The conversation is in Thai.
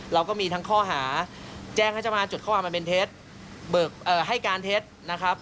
เราก็มีทั้งข้อหาแจ้งให้จะมาจดข้อความมันเป็นเท็จเบิกให้การเท็จนะครับ